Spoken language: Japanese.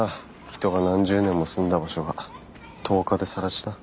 人が何十年も住んだ場所が１０日でさら地だ。